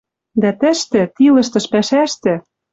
Дӓ тӹштӹ, тилыштыш пӓшӓштӹ